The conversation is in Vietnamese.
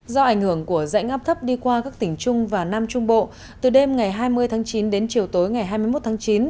do ảnh hưởng của rãnh áp thấp đi qua các tỉnh trung và nam trung bộ từ đêm ngày hai mươi tháng chín đến chiều tối ngày hai mươi một tháng chín